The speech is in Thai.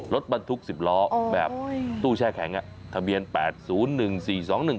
รถบรรทุกสิบล้อแบบตู้แช่แข็งอ่ะทะเบียนแปดศูนย์หนึ่งสี่สองหนึ่ง